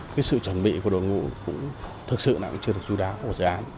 cái sự chuẩn bị của đội ngũ cũng thật sự chưa được chú đáo